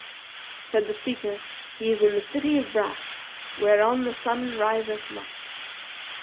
Said the speaker 'He is in the City of Brass whereon sun riseth not.'